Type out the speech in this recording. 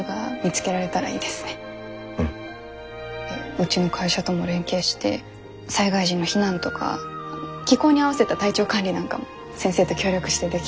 うちの会社とも連携して災害時の避難とか気候に合わせた体調管理なんかも先生と協力してできたら。